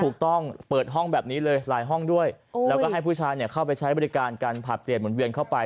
เปิดห้องแบบนี้เลยหลายห้องด้วยแล้วก็ให้ผู้ชายเข้าไปใช้บริการการผลัดเปลี่ยนหมุนเวียนเข้าไป